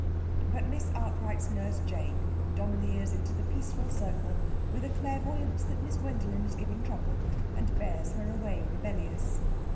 But Miss Arkwright's nurse Jane domineers into the peaceful circle with a clairvoyance that Miss Gwendolen is giving trouble, and bears her away rebellious.